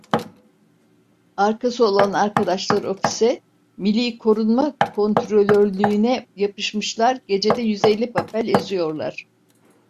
Arkası olan arkadaşlar ofise, milli korunma kontrolörlüğüne yapışmışlar, gecede yüz elli papel eziyorlar.